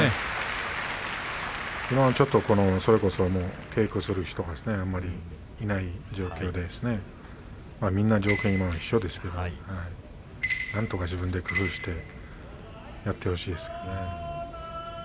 今ちょっと、それこそ稽古をする人があまりいない状況でみんな条件は同じですけれどもなんとか自分で工夫してやってほしいですね。